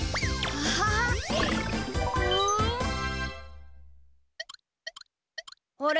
あれ？